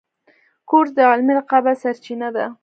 کورس د علمي رقابت سرچینه ده.